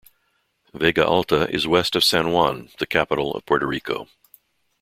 Vega Alta is west of San Juan, the capital of Puerto Rico.